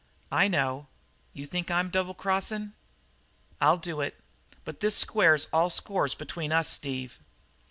"I know. You think I'm double crossin'?" "I'll do it. But this squares all scores between us, Steve?"